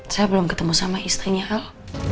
saya belum ketemu sama istrinya hal